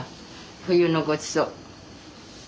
冬のごちそう。